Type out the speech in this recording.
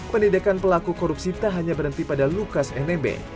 pendidikan pelaku korupsi tak hanya berhenti pada lukas nmb